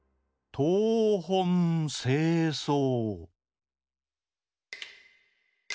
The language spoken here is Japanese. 「とうほんせいそう」。